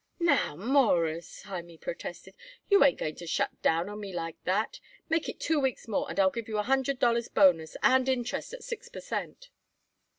"Now, Mawruss," Hymie protested, "you ain't going to shut down on me like that! Make it two weeks more and I'll give you a hundred dollars bonus and interest at six per cent."